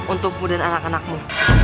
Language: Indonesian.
untukmu dan anak anakmu